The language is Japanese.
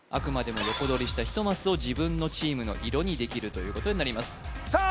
横取りした１マスを自分のチームの色にできるということになりますさあ